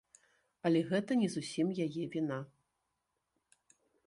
Але гэта не зусім яе віна.